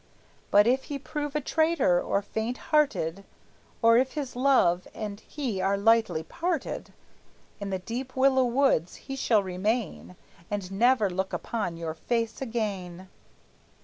But if he prove a traitor, or faint hearted, Or if his love and he are lightly parted, In the deep willow woods he shall remain, And never look upon your face again!"